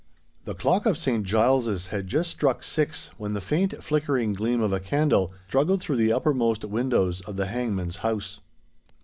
The clock of St. Giles's had just struck six, when the faint, flickering gleam of a candle struggled through the uppermost windows of the hangman's house.